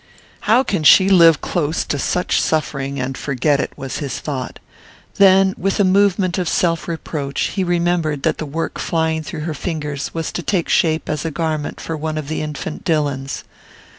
"How she can live close to such suffering and forget it!" was his thought; then, with a movement of self reproach, he remembered that the work flying through her fingers was to take shape as a garment for one of the infant Dillons.